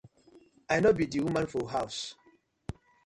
I no bi di woman for haws.